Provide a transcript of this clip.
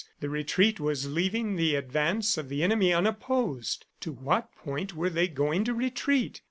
The retreat was leaving the advance of the enemy unopposed. To what point were they going to retreat?